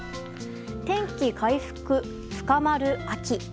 天気回復、深まる秋。